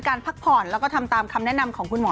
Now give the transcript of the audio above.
พักผ่อนแล้วก็ทำตามคำแนะนำของคุณหมอ